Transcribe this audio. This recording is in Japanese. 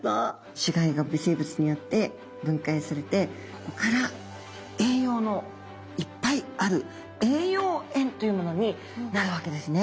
死骸が微生物によって分解されてここから栄養のいっぱいある栄養塩というものになるわけですね。